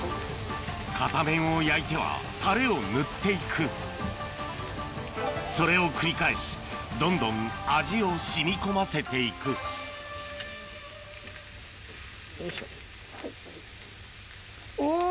片面を焼いてはタレを塗っていくそれを繰り返しどんどん味を染み込ませていくおぉ！